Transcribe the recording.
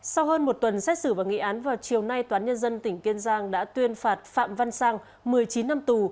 sau hơn một tuần xét xử và nghị án vào chiều nay toán nhân dân tỉnh kiên giang đã tuyên phạt phạm văn sang một mươi chín năm tù